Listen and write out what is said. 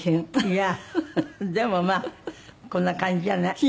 いやでもまあこんな感じじゃない？